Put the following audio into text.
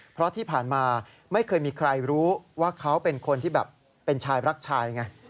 เพราะที่ผ่านมาไม่เคยมีใครรู้ว่าเขาเป็นคนที่แบบเป็นชายรักชายไง